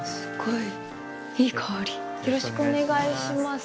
いい香りよろしくお願いします。